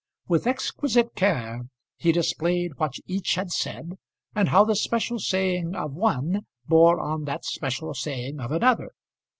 With exquisite care he displayed what each had said and how the special saying of one bore on that special saying of another.